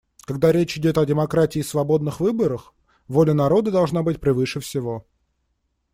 Когда речь идет о демократии и свободных выборах, воля народа должна быть превыше всего.